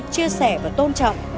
chia sẻ và tôn trọng